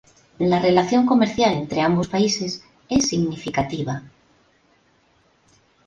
La relación comercial entre ambos países es significativo.